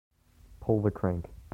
Pull the crank.